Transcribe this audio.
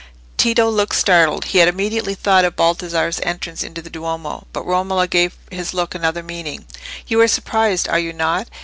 Tito looked startled; he had immediately thought of Baldassarre's entrance into the Duomo; but Romola gave his look another meaning. "You are surprised, are you not?